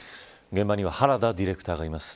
現場には原田ディレクターがいます。